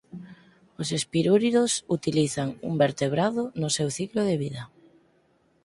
Os espirúridos utilizan un vertebrado no seu ciclo de vida.